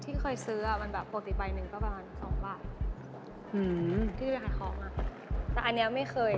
ที่เคยซื้อมันปกติใบหนึ่งก็ประมาณ๒บาทที่ราคาของแต่อันนี้ไม่เคย